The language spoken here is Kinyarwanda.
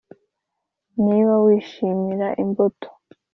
niba wishimira imbuto,